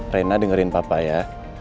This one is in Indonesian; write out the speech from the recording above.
rena dengerin papa ya